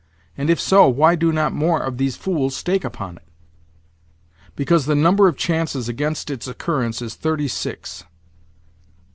And if so, why do not more of these fools stake upon it?" "Because the number of chances against its occurrence is thirty six."